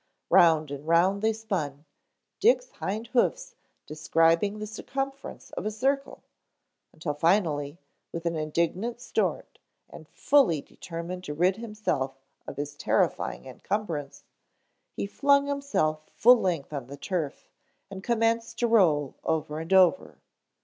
Round and round they spun, Dick's hind hoofs describing the circumference of a circle; until finally, with an indignant snort and fully determined to rid himself of his terrifying incumbrance, he flung himself full length on the turf and commenced to roll over and over.